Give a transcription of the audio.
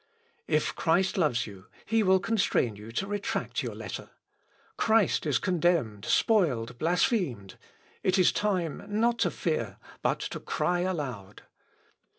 If Christ loves you, he will constrain you to retract your letter. Christ is condemned, spoiled, blasphemed; it is time not to fear, but to cry aloud.